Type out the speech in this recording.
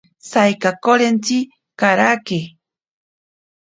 Saikamentotsi karake.